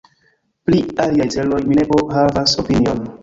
Pri aliaj celoj mi ne havas opinion.